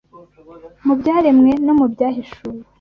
mu byaremwe no mu byahishuwe